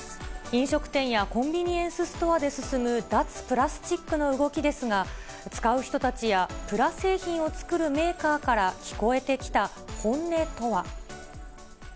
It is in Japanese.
飲食店やコンビニエンスストアで進む脱プラスチックの動きですが、使う人たちやプラ製品を作るメーカーから、聞こえてきた本音とは。